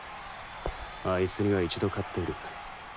あいつには一度勝っている。